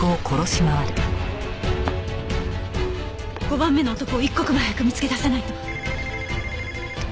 ５番目の男を一刻も早く見つけ出さないと。